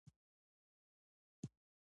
پکورې د ژوند خوږ مزه لري